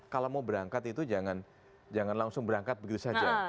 kalau mau berangkat itu jangan langsung berangkat begitu saja